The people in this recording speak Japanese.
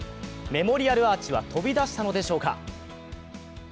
メモリアルアーチは飛び出したのでしょうか。